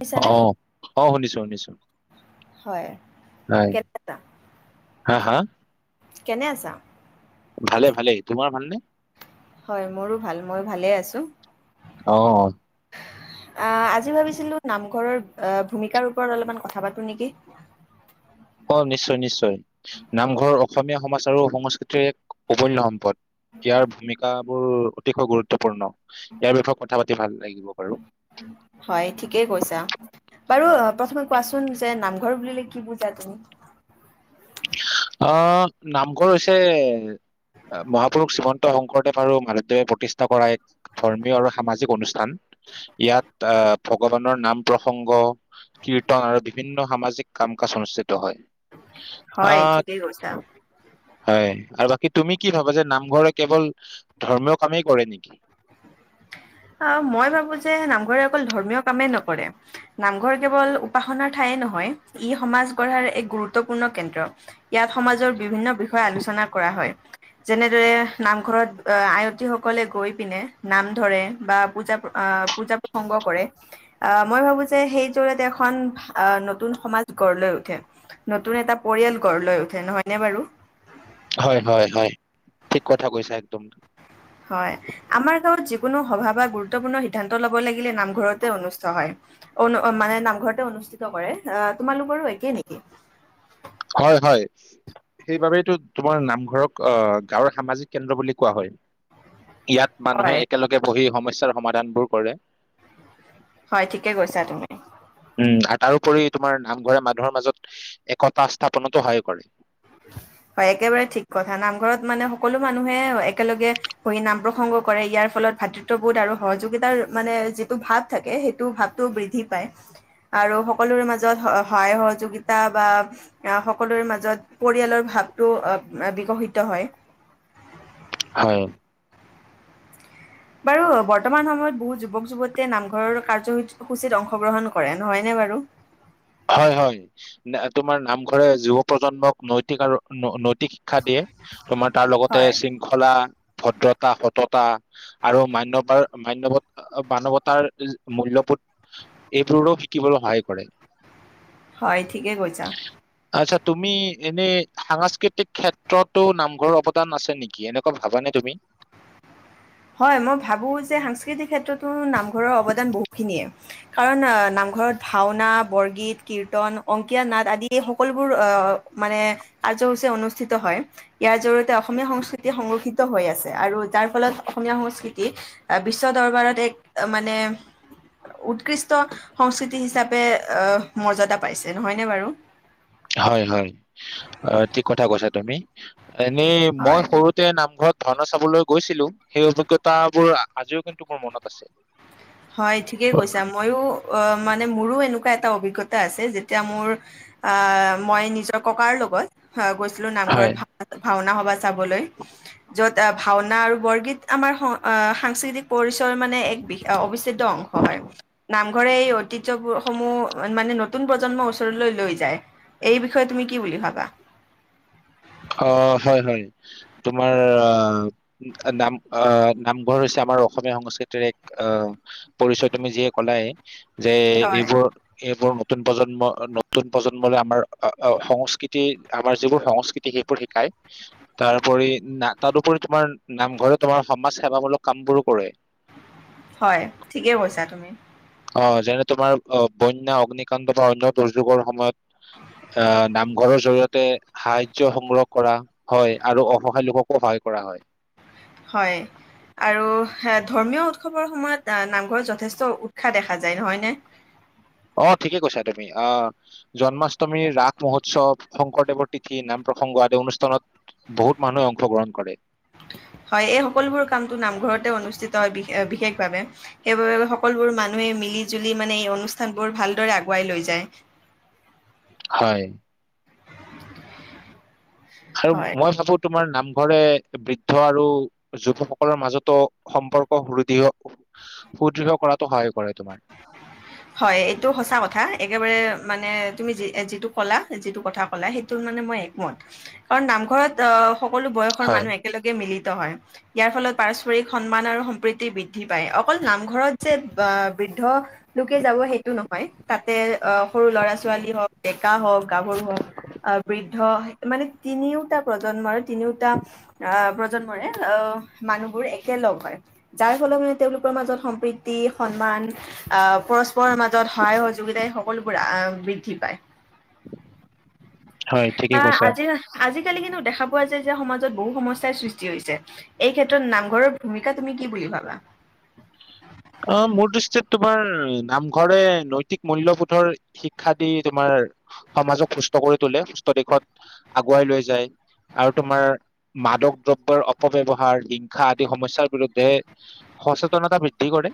শুনিছানে আহ শুনিছো শুনিছো হয় হয় কেনে আছা হা হা কেনে আছা ভালে ভালে তোমাৰ ভালনে হয় মোৰো ভাল মইও ভালে আছো অ'। অ আজি ভাবিছিলোঁ নাম ঘৰত আহ ভূমিকাৰ ওপৰত অলপমান কথা পাতো নেকি অ নিশ্চয় নিশ্চয় নাম ঘৰ অসমীয়া সমাজ আৰু সংস্কৃতিৰ এক অবন্য সম্পদ ইয়াৰ ভূমিকাবোৰ অতিকৈ গুৰুত্বপূৰ্ণ ইয়াৰ বিষয়ে কথা পাতি ভাল লাগিব বাৰু হয় ঠিকেই কৈছা বাৰু প্ৰথমে কোৱাচোন যে নামঘৰ বুলিলে কি বুজা তুমি আহ নামঘৰ হৈছে মহাপুৰুষ শ্ৰীমন্ত শংকৰদেৱ আৰু মাধৱদেৱে প্ৰতিষ্ঠা কৰা এক ধৰ্মীয় আৰু সামাজিক অনুষ্ঠান ইয়াত আহ ভগৱানৰ নাম প্ৰসংগ কীৰ্তন আৰু বিভিন্ন সামাজিক কাম কাজ অনুষ্ঠিত হয় হয় আহ ঠিকেই কৈছা হয় আৰু বাকী তুমি কি ভাবা যে নামঘৰে কেৱল ধৰ্মীয় কামেই কৰে নেকি আহ মই ভাবো যে নামঘৰে অকল ধৰ্মীয় কামেই নকৰে নামঘৰ কেৱল উপাসনাৰ ঠাই নহয় ই সমাজ গঢ়াৰ এক গুৰুত্বপূৰ্ণ কেন্দ্ৰ ইয়াত সমাজৰ বিভিন্ন বিষয়ে আলোচনা কৰা হয় যেনেদৰে নামঘৰত আয়তীসকলে গৈ পিনে নাম ধৰে বা পূজা আহ পূজা প্ৰসংগ কৰে আহ মই ভাবো যে সেই যোৰতে এখন আহ নতুন সমাজ গঢ় লৈ উঠে নতুন এটা পৰিয়াল গঢ় লৈ উঠে নহয়নে বাৰু হয় হয় হয় ঠিক কথা কৈছা একদম হয় আমাৰ গাঁৱত যিকোনো সভা বা গুৰুত্বপূৰ্ণ সিদ্ধান্ত ল'ব হ'ব লাগিলে নামঘৰতে অনুস্থ হয় অনু মানে নামঘৰতে অনুষ্ঠিত কৰে আহ তোমালোকৰো একেই নেকি হয় হয় সেইবাবেতো তোমাৰ নামঘৰক আহ গাঁওৰ সামাজিক কেন্দ্ৰ বুলি কোৱা হয় ইয়াত হয়, মানুহে একেলগে বহি সমস্য সমাধানবোৰ কৰে হয় ঠিকে কৈছা তুমি উম আৰু তাৰোপৰি তোমাৰ নামঘৰে মানুহৰ মাজত একতা স্থাপনতো সহায় কৰে হয় একেবাৰে ঠিক কথা নামঘৰত মানে সকলো মানুহে একেলগে বহি নাম প্ৰসংগ কৰে ইয়াৰ ফলত ভাতৃত্ববোধ আৰু সহযোগিতাৰ মানে যিটো ভাৱ থাকে সেইটো ভাৱটো বৃদ্ধি পায় আৰু সকলোৰে মাজত সহায় সহযোগিতা বা সকলোৰে মাজত পৰিয়ালৰ ভাৱটো বিকশিত হয় হয় বাৰু বৰ্তমান সময়ত বহুত যুৱক যুৱতীয়ে নামঘৰৰ কাৰ্যসূসূচীত অংশগ্ৰহণ কৰে নহয়নে বাৰু হয় হয় ন তোমাৰ নামঘৰে যুৱ প্ৰজন্মক নৈতিক আৰু ন শিক্ষা দিয়ে তোমাৰ তাৰ লগতে হয়। শৃংখলা ভদ্ৰতা, সততা আৰু মান্যাৰ-মান্যৱ মানৱতাৰ মূল্যবোধ এইবোৰো শিকিবলৈ সহায় কৰে। হয় ঠিকেই কৈছা। আচ্ছা তুমি এনেই সাংস্কৃতিক ক্ষেত্ৰতো নামঘৰৰ অৱদান আছে নেকি এনেকুৱা ভাবানে তুমি? হয় মই ভাবোঁ যে সাংস্কৃতিক ক্ষেত্ৰতো নামঘৰৰ অৱদান বহুখিনিয়ে, কাৰণ নামঘৰত ভাওনা বৰগীত কীৰ্তন অংকীয়া নাট আদি এই সকলোবোৰ মানে কাৰ্যসূচী অনুষ্ঠিত হয় ইয়াৰ জৰিয়তে অসমীয়া সংস্কৃতি সংৰক্ষিত হৈ আছে আৰু যাৰ ফলত অসমীয়া সংস্কৃতি বিশ্ব দৰবাৰত এক মানে উৎকৃষ্ট সংস্কৃতি হিচাপে আহ মৰ্যদা পাইছে নহয়নে বাৰু? হয় হয় অ ঠিক কথা কৈছা তুমি এনেই হয় মই সৰুতে নামঘৰত ভাওনা চাবলৈ গৈছিলো সেই অভিজ্ঞতাবোৰ আজিও কিন্তু মোৰ মনত আছে। হয় ঠিকেই কৈছা মইয়ো অ মান মানে মোৰো এনেকুৱা এটা অভিজ্ঞতা আছে যেতিয়া মোৰ আহ মই নিজৰ ককাৰ লগত গৈছিলো নামঘৰত হয় ভ ভাওনা চাবলৈ যত ভাওনা আৰু বৰগীত আমাৰ সাংস্কৃতিক পৰিচয় মানে এক অবিচ্ছেদ্য অংশ হয় নামঘৰে এই ঐতিৰ্য্য বোৰ সমূহ মানে নতুন প্ৰজন্মৰ ওচৰলৈ লৈ যায়। এই বিষয়ে তুমি কি বুলি ভাবা? অ হয় হয় তোমাৰ আহ নাম আহ নামঘৰ হৈছে আমাৰ অসমীয়া সংস্কৃতিৰ এক আহ পৰিচয় তুমি যিয়ে কলাই যে হয় এইবোৰ-এইবোৰ নতুন প্ৰজন্ম নতুন প্ৰজন্মলৈ আমাৰ সংস্কৃতি আমাৰ যিবোৰ সংস্কৃতি সেইবোৰ শিকায়, তাৰোপৰি না, ‌ তাৰোপৰি তোমাৰ, নামঘৰত তোমাৰ, ‌ সমাজ সেৱাামূলক কাম বোৰো কৰে। হয়, ঠিকেই কৈছা তুমি। অ', যেনে তোমাৰ অ বন্য অগ্নিকাণ্ড বা অন্য দুৰ্যোগৰ সময়ত, অঁ নামঘৰৰ জৰিয়তে সাহাৰ্য সংগ্ৰহ কৰা হয়, ‌ আৰু অসহায় লোককো সহায় কৰা হয়। হয়, আৰু অ, ধৰ্মীয় উৎসৱৰ সময়ত নামঘৰত যথেষ্ট উৎসাহ দেখা যায়, নহয়নে? অ ঠিকে কৈছা তুমি, অ, জন্মাষ্টমী, ৰাস মহোৎসৱ, শংকৰদেৱৰ তিথি, নাম প্ৰসংগ আদি অনুষ্ঠানত বহুত মানুহে অংশগ্ৰহণ কৰে হয়‌, ‌ এই সকলোবোৰ কামটো নামঘৰতে অনুষ্ঠিত বিশেষভাৱে, সেইবাবে সকলোবোৰ মানুহে মিলি জুলি মানে, এই অনুষ্ঠানবোৰ ভালদৰে আগুৱাই লৈ যায়। হয়। আৰু হয়। মই ভাবোঁ তোমাৰ নাম ঘৰে বৃদ্ধ আৰু যুৱসকলৰ মাজতো সম্পৰ্ক সুদৃঢ়, সুদৃঢ় কৰাতোঁ সহায় কৰে, তোমাৰ। হয় এইটো সঁচা কথা, একেবাৰে মানে তুমি যিটো ক'লা, যিটো কথা ক'লা সেইটো মানে মই একমত, কাৰণ নামঘৰত অ সকলো বয়সৰ হয় মানুহ একেলগে মিলি হয়, ইয়াৰ ফলত পাৰস্পৰিক সন্মান আৰু সম্প্ৰীতি বৃদ্ধি পায়। অকল নামঘৰত যে আহ, বৃদ্ধ হয় তাতে আহ সৰু ল'ৰা ছোৱালী হওক, ডেকা হওক, গাভৰু হওক, অঁ, বৃদ্ধ মানে তিনিওটা প্ৰজন্মৰে তিনিওটা অ‍ঁ প্ৰজন্মৰে অঁ মানুহবোৰ একেলগ হয়, যাৰ ফলত মানে তেওঁলোকৰ মাজত সম্প্ৰীতি সন্মান অঁ পৰস্পৰৰ মাজত সহায় সহযোগিতাই হওক সকলোবোৰ বৃদ্ধি পায়। হয় ঠিকে অ কৈছা আজি, আজি আজিকালি কিন্তু দেখা পোৱা যায় যে সমাজত বহু সমস্যাৰ সৃষ্টি হৈছে, এই ক্ষেত্ৰত নামঘৰৰ ভূমিকা তুমি কি বুলি ভাবা? অ মোৰ দৃষ্টিত তোমাৰ নামঘৰে নৈতিক মূল্যবোধৰ শিক্ষা দি তোমাৰ সমাজক সুস্থ কৰি তোলে, সুস্থ দিশত আগুৱাই লৈ যায়, আৰু তোমাৰ মাদক দ্ৰব্যৰ অপব্যৱহাৰ, হিংসা আদি সমস্যাৰ বিৰুদ্ধে সচেতনতা বৃদ্ধি কৰে।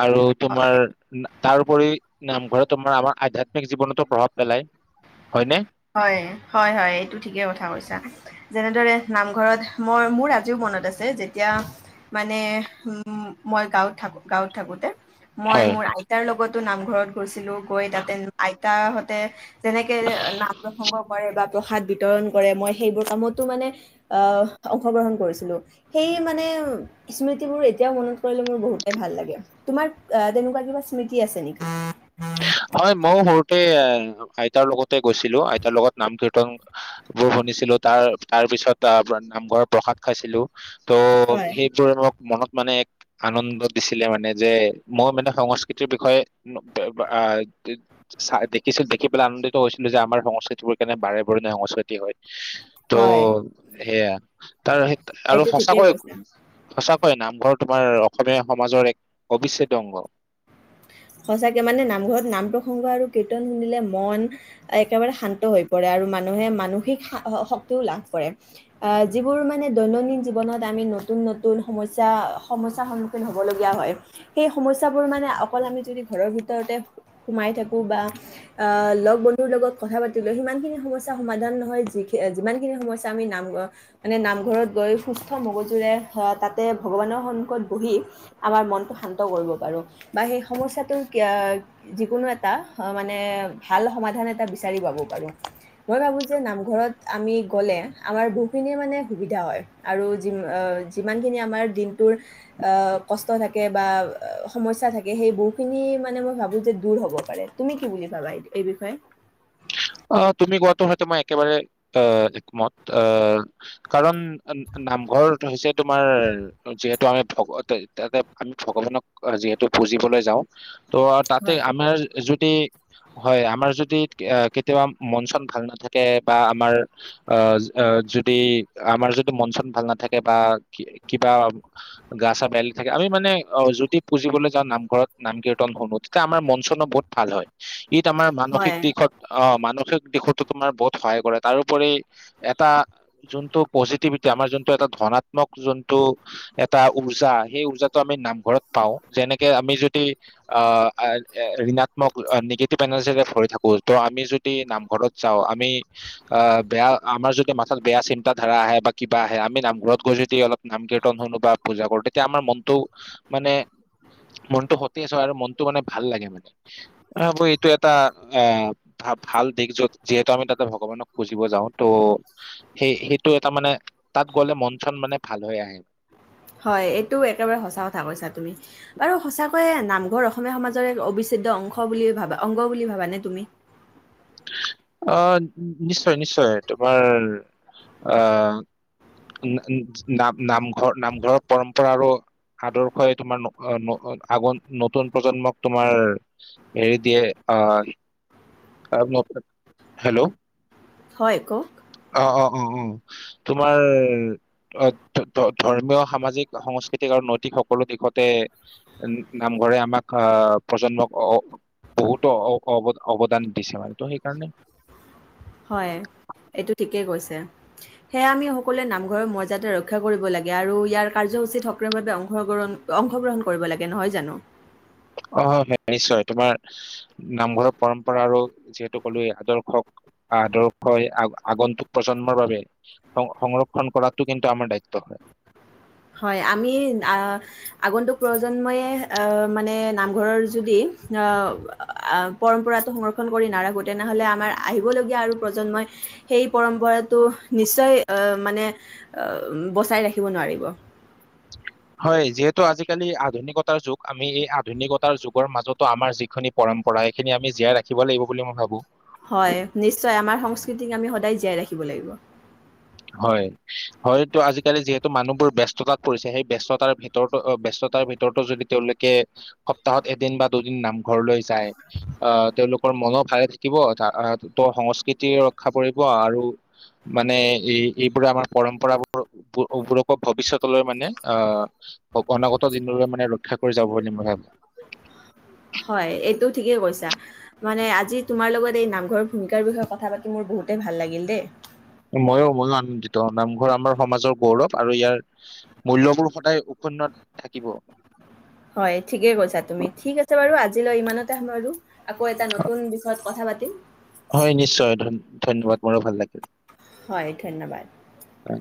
আৰু তোমাৰ তাৰোপৰি নামঘৰত তোমাৰ, আমাৰ আধ্যাত্মিক জীৱনতো প্ৰভাৱ পেলায়, ‌ হয়নে? হয়-হয়-হয়। এইটো ঠিকেই কথা কৈছা যেনেদৰে নামঘৰত মই মোৰ আজিও মনত আছে, যেতিয়া মানে উম, মই গাঁৱত থাকো গাঁৱত থাকোতে মই হয় মোৰ আইতাৰ লগত নামঘৰত গৈছিলো, গৈ তাতে আইতাহঁতে তেনেকে, নাম প্ৰসংগ কৰে বা, প্ৰসাদ বিতৰণ কৰে, মই সেইবোৰ কামতো মানে, আহ অংশগ্ৰহণ কৰিছিলোঁ। সেই মানে স্মৃতিবোৰ এতিয়াও মনত পৰিলে মোৰ বহুতেই ভাল লাগে। তোমাৰ অ' তেনেকুৱা কিবা স্মৃতি আছে নেকি? হয় মইও সৰুতে, আইতাৰ লগত গৈছিলো, আইতাৰ লগত নাম বোৰ শুনিছিলো তাৰ, তাৰ পিছত নামঘৰৰ প্ৰসাদ খাইছিলো। ত' হয়, সেইবোৰ [unintelligible] মনত মানে এক আনন্দ দিছিলে মানে যে, মই মানে সংস্কৃতিৰ বিষয়ে [unintelligible] দেখিছোঁ, দেখি পেলাই আনন্দিত হৈছিলো যে আমাৰ সংস্কৃতিবোৰ কেনেকুৱা বাৰেবৰণীয়া সংস্কৃতি হয়। ত' হয়, সেইয়া। তাৰ সেই আৰু এইটো ঠিকেই সঁচাকৈয়ে, কৈছা। সঁচা। হয় নামঘৰ তোমাৰ, অসমীয়া সমাজৰ এক অবিচ্ছেদ্য অংগ। সঁচাকে মানে নামঘৰত নাম-প্ৰসংগ আৰু কীৰ্তন শুনিলে, মন একেবাৰে শান্ত হৈ পৰে আৰু মানুহে মানসিক শক্তিও লাভ কৰে। আহ যিবোৰ মানে দৈনন্দিন জীৱনত আমি নতুন-নতুন সমস্যা-সমস্যাৰ সন্মুখীন হ'ব লগীয়া হয়। সেই সমস্যাবোৰ মানে অকল আমি যদি ঘৰৰ ভিতৰতে সোমাই থাকো বা, আ লগ-বন্ধুৰ লগত কথা পাতিলো সিমানখিনি সমস্যা সমাধান নহয় যি-যিমানখিনি সমস্যা আমি নামঘ মানে, নামঘৰত গৈ সুস্থ মগজুৰে তাতে ভগৱানৰ সন্মুখত বহি আমাৰ মনটো শান্ত কৰিব পাৰোঁ। বা সেই সমস্যাটোৰ, যিকোনো এটা মানে ভাল সমাধান এটা বিচাৰি পাব পাৰোঁ। মই ভাবোঁ যে নামঘৰত আমি গ'লে আমাৰ বহুখিনিয়ে মানে সুবিধা হয়। আৰু যিমানখিনি আমাৰ দিনটোৰ কষ্ট থাকে বা সমস্যা থাকে। সেই বহুখিনি মানে মই ভাবো যে দূৰ হব পাৰে। তুমি কি বুলি ভাবা এই বিষয়ে? অ' তুমি কোৱাটো হয়তো মই একেবাৰে, আ একমত। আ, কাৰণ নামঘৰ হৈছে তোমাৰ যিহেতু আমি তাতে আমি ভগৱানক যিহেতু পুজিবলৈ যাওঁ। ত' তাতে হয় আমাৰ য'ত হয় আমাৰ যদি কেতিয়াবা মন-চন ভাল নাথাকে, বা আমাৰ আ যদি আমাৰ যদি মন-চন ভাল নাথাকে বা কিবা গা-চা বেয়া লাগি থাকে। আমি মানে যদি পুজিবলৈ যাওঁ নামঘৰত, নাম-কীৰ্তন শুনো তেতিয়া আমাৰ মন-চনো বহুত ভাল হয়। ইত আমাৰ হয় মানসিক দিশত অ' মানসিক দিশতো তোমাৰ বহুত সহায় কৰে। তাৰোপৰি এটা যোনটো পজিটিভিটি, আমাৰ যোনটো এটা ধনাত্মক যোনটো এটা উৰ্জা, সেই উৰ্জাটো আমি নামঘৰত পাওঁ। যেনেকে আমি যদি, আ ঋণাত্মক নিগেটিভ এনাৰ্জিৰে ভৰি থাকো। ত' আমি যদি নামঘৰত যাওঁ, আমি আ বেয়া আমাৰ যদি মাথাত বেয়া চিন্তা ধাৰা আহে বা কিবা আহে, আমি নামঘৰত গৈ যদি অলপ নাম-কীৰ্তন শুনো বা পূজা কৰো, তেতিয়া আমাৰ মনটো মানে, মনটো সতেজ হয় আৰু মনটো মানে ভাল লাগে মানে। আকৌ এইটো এটা অ'। ভ-ভাল দিশ য'ত যিহেতু আমি তাতে ভগৱানক পুজিব যাওঁ। ত' সেই-সেইটো এটা মানে তাত গ'লে মন-চন মানে ভাল হৈ আহে। হয়। এইটো একেবাৰে সঁচা কথা কৈছা তুমি। বাৰু সঁচাকৈয়ে নামঘৰ অসমীয়া সমাজৰ এক অবিচ্ছেদ্য অংশ বুলি ভাবা, অংগ বুলি ভাবানে তুমি? আ, নিশ্চয় নিশ্চয়। তোমাৰ, আ নাম-নামঘৰ, নামঘৰৰ পৰম্পৰা আৰু আদৰ্শই তোমাৰ আগ নতুন প্ৰজন্মক তোমাৰ হেৰি দিয়ে আ [unintelligible] হেল্ল'। হয় কওক। অ অ অ' অ'। তোমাৰ ধৰ্মীয়, সামাজিক, সংস্কৃতিক আৰু নৈতিক সকলো দিশতে, নামঘৰে আমাক আ, প্ৰজন্মক অ বহুতো অৱদান। দিছে মানে, ত' সেইকাৰণে হয়। এইটো ঠিকেই কৈছে। সেয়া আমি সকলোৱে নামঘৰৰ মৰ্যাদা ৰক্ষা কৰিব লাগে। আৰু ইয়াৰ কাৰ্যসূচীত সক্ৰিয়ভাৱে অংশগ্ৰণ-অংশগ্ৰহণ কৰিব লাগে নহয় জানো? অ' নিশ্চয় তোমাৰ, নামঘৰৰ পৰম্পৰা আৰু যিহেতু ক'লোৱে আদৰ্শক, আ-আদৰ্শই আগন্তুক প্ৰজন্মৰ বাবে সং-সংৰক্ষণ কৰাটো কিন্তু আমাৰ দায়িত্ব হয়। হয়, আমি আগন্তুক প্ৰজন্মই আহ মানে নামঘৰৰ যদি আহ পৰম্পৰাটো সংৰক্ষণ কৰি নাৰাখো তেনেহলে আমাৰ আহিবলগীয়া আৰু প্ৰজন্মই সেই পৰম্পৰাটো নিশ্চয় মানে বচাই ৰাখিব নোৱাৰিব। হয়, যিহেতু আজিকালি আধুনিকতাৰ যুগ আমি এই আধুনিকতাৰ যুগৰ মাজতো আমাৰ যিখিনি পৰম্পৰা সেইখিনি আমি জীয়াই ৰাখিব লাগিব বুলি মই ভাবো। হয় নিশ্চয়, আমাৰ সংস্কৃতিক আমি সদায় জীয়াই ৰাখিব লাগিব। হয়, হয়তো আজিকালি যিহেতু মানুহবোৰ ব্যস্ততাত পৰিছে সেই ব্যস্ততাৰ ভিতৰতো ব্যস্ততাৰ ভিতৰতো যদি তেওঁলোকে সপ্তাহত এদিন বা দুদিন নামঘৰ লৈ। যায় তেওঁলোক মন ভালে থাকিব, আহ ত সংস্কৃতি ৰক্ষা পৰিব আৰু মানে। এই, এইবোৰে আমাৰ পৰম্পৰাবোৰকো ভৱিষ্যতলৈ মানে আহ অনাগত দিনৰে মানে ৰক্ষা কৰি যাব বুলি মই ভাবো। হয়, এইটো ঠিকেই কৈছা। মানে, আজি তোমাৰ লগত এই নামঘৰৰ ভূমিকাৰ বিষয়ে কথা পাতি মোৰ বহুতেই ভাল লাগিল দেই। ম‌ইয়ো, মইয়ো আনন্দিত নামঘৰ আমাৰ সমাজৰ গৌৰৱ আৰু ইয়াৰ মূল্যবোৰ সদায় উক্ষন্নত থাকিব। হয়, ঠিকেই কৈছা তুমি। ঠিক আছে বাৰু আজিলৈ ইমানতে সামৰো। আকৌ, এটা নতুন বিষয়ত কথা পাতি। পাতিম হয় নিশ্চয়, ধন্যবাদ মোৰো ভাল লাগিল। হয় ধন্যবাদ। হয়।